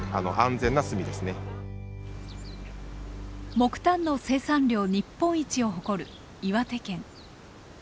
木炭の生産量日本一を誇る岩手県。